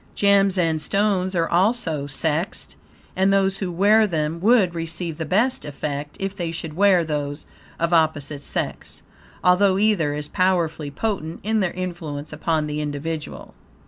Gems and stones are also sexed, and those who wear them would receive the best effect if they should wear those of opposite sex, although either is powerfully potent in their influence upon the individual.